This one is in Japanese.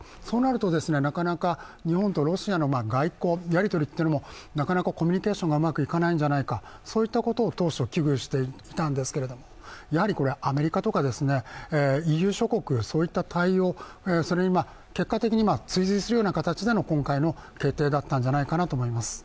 そうなると日本とロシアの外交、やりとりというのもなかなかコミュニケーションがうまくいかないんじゃないか、そういったことを当初危惧していたんですけれども、これはアメリカとかＥＵ諸国の対応に結果的に追随するような形での今回の決定だったのではないか。